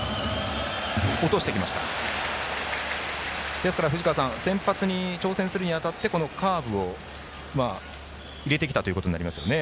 ですから、先発に挑戦するにあたって、カーブを入れてきたということになりましたね。